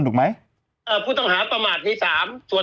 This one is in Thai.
ถูกไหมอ่าผู้ต้องหาต่อหมาตรี๓ส่วน